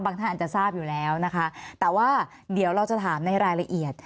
ท่านอาจจะทราบอยู่แล้วนะคะแต่ว่าเดี๋ยวเราจะถามในรายละเอียด